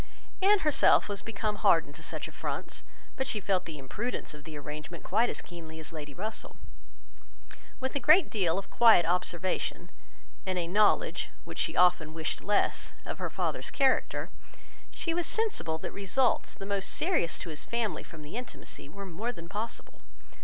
Anne herself was become hardened to such affronts; but she felt the imprudence of the arrangement quite as keenly as Lady Russell. With a great deal of quiet observation, and a knowledge, which she often wished less, of her father's character, she was sensible that results the most serious to his family from the intimacy were more than possible.